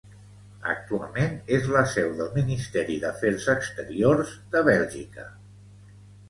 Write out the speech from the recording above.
Actualment és la seu del Ministeri d'Afers Exteriors de Bèlgica.